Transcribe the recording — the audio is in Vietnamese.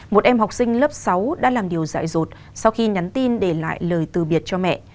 một em học sinh lớp sáu đã làm điều dạy rột sau khi nhắn tin để lại lời từ biệt cho mẹ